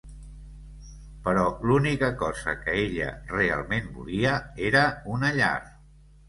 Però l'única cosa que ella realment volia era una llar.